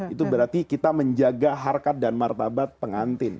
itu berarti kita menjaga harkat dan martabat pengantin